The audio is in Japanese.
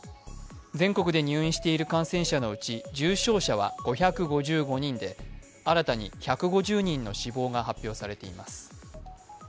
全国で入院している感染者のうち重症者は５５５人で新たに１５０人の死亡が発表されています。